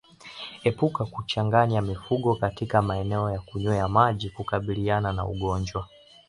Epuka kuchanganya mifugo katika maeneo ya kunywea maji kukabiliana na ugonjwa